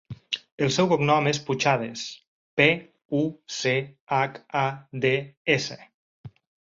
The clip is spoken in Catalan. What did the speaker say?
El seu cognom és Puchades: pe, u, ce, hac, a, de, e, essa.